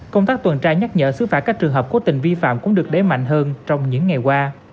công tác tuần tra nhắc nhở xứ phạt các trường hợp cố tình vi phạm cũng được đẩy mạnh hơn trong những ngày qua